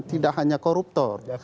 tidak hanya koruptor